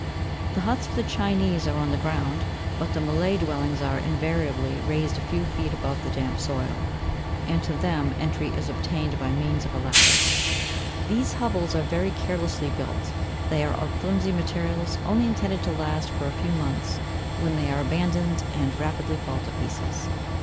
The huts of the Chinese are on the ground, but the Malay dwellings are invariably raised a few feet above the damp soil, and to them entry is obtained by means of a ladder. These hovels are very carelessly built; they are of flimsy materials, only intended to last for a few months, when they are abandoned and rapidly fall to pieces.